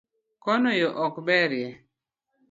Kono yoo ok berie